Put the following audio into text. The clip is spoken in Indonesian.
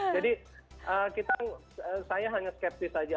jadi saya hanya skeptis saja